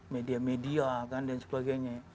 media media dan sebagainya